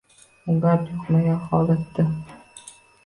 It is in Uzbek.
U gard yuqmagan holatda.